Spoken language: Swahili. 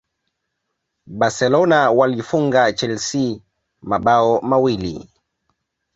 barcelona walifunga chelsea mabao mawili